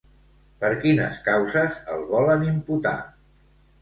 Per quines causes el volen imputar?